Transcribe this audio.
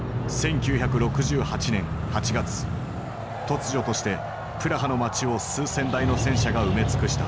突如としてプラハの街を数千台の戦車が埋め尽くした。